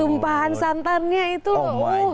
tumpahan santannya itu loh